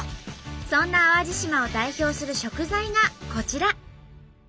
そんな淡路島を代表する食材がこちら！